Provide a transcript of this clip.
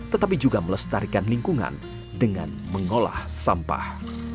tetapi juga melestarikan lingkungan dengan mengolah sampah